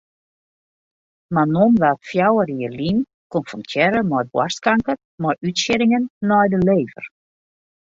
Manon waard fjouwer jier lyn konfrontearre mei boarstkanker mei útsieddingen nei de lever.